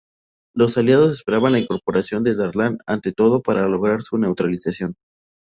Los Aliados esperaban la incorporación de Darlan ante todo para lograr su neutralización.